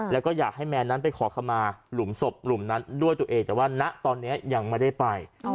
แล้วก็อยากให้แมนนั้นไปขอขมาหลุมศพหลุมนั้นด้วยตัวเองแต่ว่าณตอนนี้ยังไม่ได้ไป